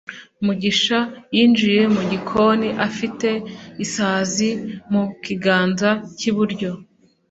mugisha yinjiye mu gikoni afite isazi mu kiganza cy'iburyo